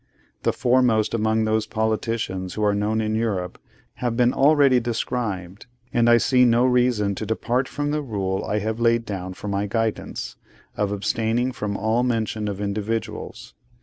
The foremost among those politicians who are known in Europe, have been already described, and I see no reason to depart from the rule I have laid down for my guidance, of abstaining from all mention of individuals.